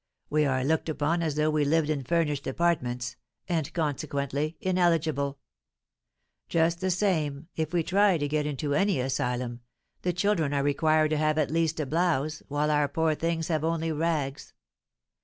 We are looked upon as though we lived in furnished apartments, and, consequently, ineligible. Just the same if we tried to get into any asylum, the children are required to have at least a blouse, while our poor things have only rags.